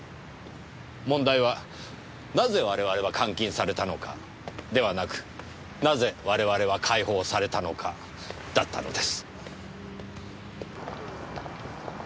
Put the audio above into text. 問題はなぜ我々は監禁されたのかではなくなぜ我々は解放されたのかだったのです。